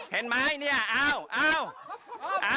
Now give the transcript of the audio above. เห็นไหมเนี่ยเอ้าเอ้า